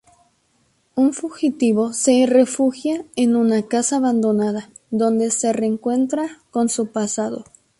Un fugitivo se refugia en una casa abandonada donde se reencuentra con su pasado.